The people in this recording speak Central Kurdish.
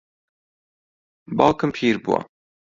باوکم پیر بووە.